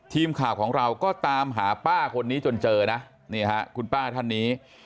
ทีมข่าวของเราก็ตามหาป้าคนนี้จนเจอนะนี่ฮะคุณป้าท่านนี้